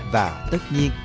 và tất nhiên